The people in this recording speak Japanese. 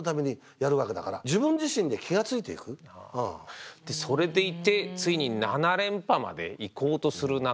やっぱりそれでいてついに７連覇までいこうとする中。